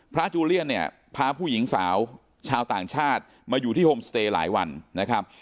จูเลียนเนี่ยพาผู้หญิงสาวชาวต่างชาติมาอยู่ที่โฮมสเตย์หลายวันนะครับ